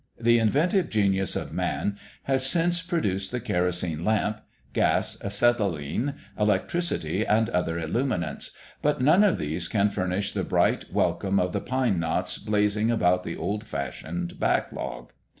The inventive genius of man has since produced the kerosene lamp, gas, acetylene, electricity, and other illuminants, but none of these can furnish the bright welcome of the pine knots blazing about the old fashioned back log.